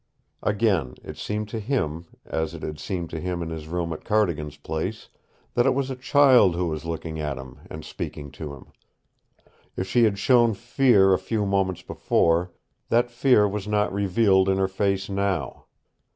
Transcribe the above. Again it seemed to him, as it had seemed to him in his room at Cardigan's place, that it was a child who was looking at him and speaking to him. If she had shown fear a few moments before, that fear was not revealed in her face now.